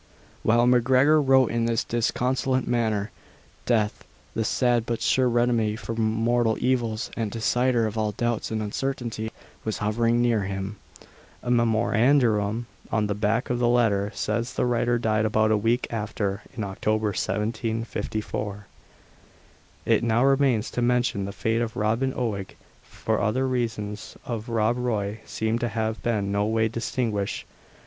While MacGregor wrote in this disconsolate manner, Death, the sad but sure remedy for mortal evils, and decider of all doubts and uncertainties, was hovering near him. A memorandum on the back of the letter says the writer died about a week after, in October 1754. It now remains to mention the fate of Robin Oig for the other sons of Rob Roy seem to have been no way distinguished.